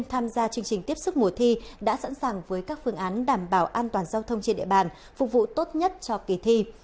tham gia chương trình tiếp sức mùa thi đã sẵn sàng với các phương án đảm bảo an toàn giao thông trên địa bàn phục vụ tốt nhất cho kỳ thi